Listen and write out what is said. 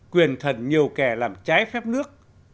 quyền thần nhiều kẻ làm trái phép nước